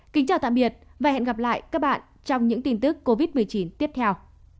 kính chào tạm biệt và hẹn gặp lại các bạn trong những tin tức covid một mươi chín tiếp theo